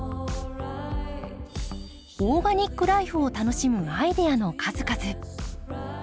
オーガニックライフを楽しむアイデアの数々。